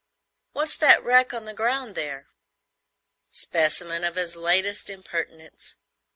What's that wreck on the ground there?" "Specimen of his latest impertinence."